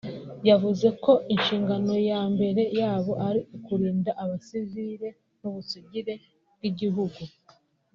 yavuze ko inshingano ya mbere yabo ari ukurinda abasivili n’ubusugire bw’igihugu